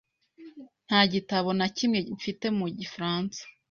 Nta gitabo na kimwe mfite mu gifaransa .